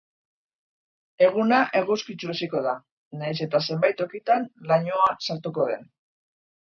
Eguna eguzkitsu hasiko da, nahiz eta zenbait tokitan lainoa sartuko den.